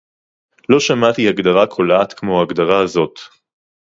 לא שמעתי הגדרה קולעת כמו ההגדרה הזאת